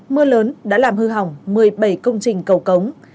mưa lớn đã làm hư hỏng một mươi bảy công trình cầu cống